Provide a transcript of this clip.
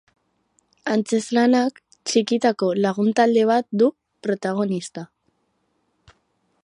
Antzezlanak txikitako lagun-talde bat du protagonista.